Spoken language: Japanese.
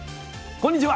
こんにちは。